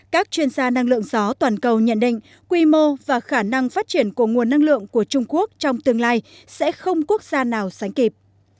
các chuyên gia năng lượng gió toàn cầu nhận định quy mô và khả năng phát triển của nguồn năng lượng của trung quốc trong tương lai sẽ không quốc gia nào sánh kịp